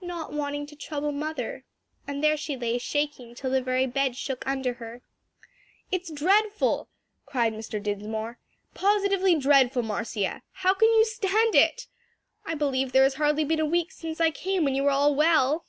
'not wanting to trouble mother,' and there she lay shaking till the very bed shook under her." "It's dreadful!" cried Mr. Dinsmore, "positively dreadful, Marcia! How can you stand it! I believe there has hardly been a week since I came when you were all well."